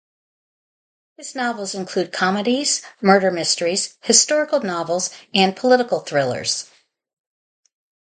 His novels include comedies, murder mysteries, historical novels, and political thrillers.